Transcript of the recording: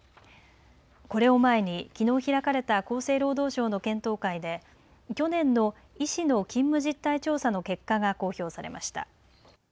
これを前に、きのう開かれた厚生労働省の検討会で去年の医師の勤務実態調査の結果が公表されました。